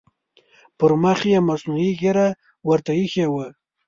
پر مخ یې مصنوعي ږیره ورته اېښې وي.